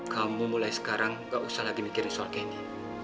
kamu mulai sekarang gak usah lagi mikirin soal candy